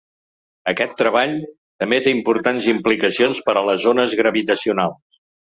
Aquest treball també té importants implicacions per a les ones gravitacionals.